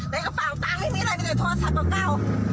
ในกระเป๋าตาไม่มีอะไรมีแต่โทรศัพท์กับเก้า